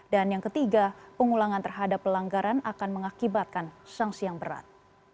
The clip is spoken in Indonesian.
dan yang ketiga pengulangan terhadap pelanggaran akan mengakibatkan sanksi yang berat